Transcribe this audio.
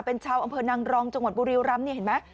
เป็นชาวอำเภอนางรองจังหวัดบุรีรำเนี่ยเห็นไหม